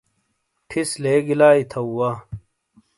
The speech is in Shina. ٹھیس لیگی لائی تھو وا۔